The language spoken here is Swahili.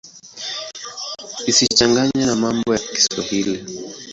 Isichanganywe na mambo ya Kiswahili.